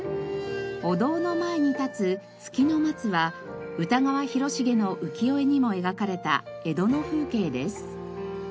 お堂の前に立つ月の松は歌川広重の浮世絵にも描かれた江戸の風景です。